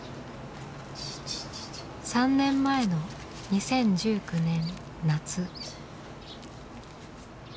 ３年前の２０１９年夏。